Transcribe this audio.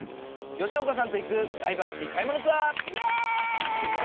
吉岡さんと行くダイバーシティ買い物ツアー！